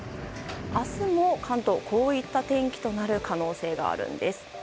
明日も関東こういった天気となる可能性があります。